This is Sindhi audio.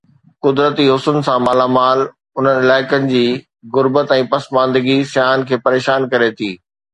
قدرتي حسن سان مالا مال انهن علائقن جي غربت ۽ پسماندگي سياحن کي پريشان ڪري ٿي.